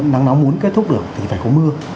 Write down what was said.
nắng nóng muốn kết thúc được thì phải có mưa